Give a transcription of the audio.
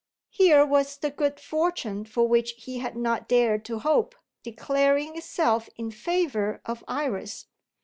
Here was the good fortune for which he had not dared to hope, declaring itself in favour of Iris.